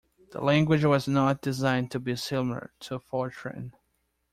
The language was not designed to be similar to Fortran.